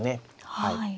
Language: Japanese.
はい。